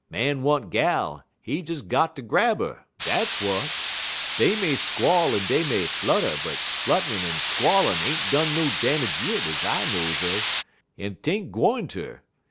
Man want gal, he des got ter grab 'er dat's w'at. Dey may squall en dey may flutter, but flutter'n' en squallin' ain't done no damage yit ez I knows un, en 't ain't gwine ter.